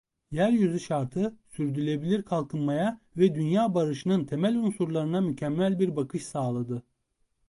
Yeryüzü Şartı sürdürülebilir kalkınmaya ve dünya barışının temel unsurlarına mükemmel bir bakış sağladı.